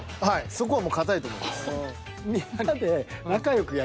そこは堅いと思います。